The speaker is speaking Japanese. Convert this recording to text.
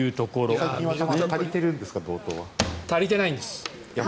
人が足りてるんですか？